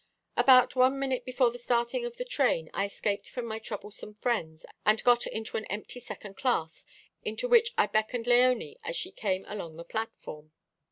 About one minute before the starting of the train I escaped from my troublesome friends, and got into an empty second class, into which I beckoned Léonie as she came along the platform.